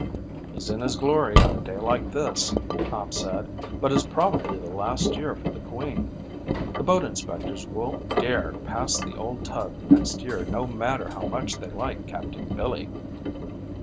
"He's in his glory on a day like this," Tom said, "but it's probably the last year for the Queen. The boat inspectors won't dare pass the old tub next year no matter how much they like Captain Billy."